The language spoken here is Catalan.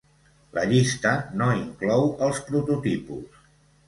La llista no inclou els prototipus.